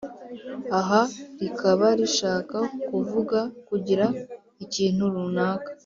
aha rikaba rishaka kuvuga kugira ikintu runaka